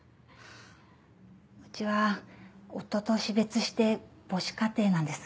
うちは夫と死別して母子家庭なんです。